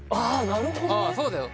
なるほどねそうだよ